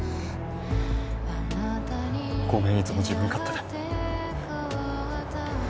ごめんいつも自分勝手で。